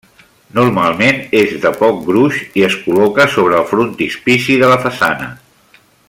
Normalment és de poc gruix i es col·loca sobre el frontispici de la façana.